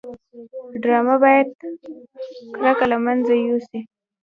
ډرامه باید کرکه له منځه یوسي